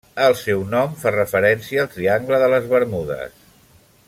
El seu nom fa referència al Triangle de les Bermudes.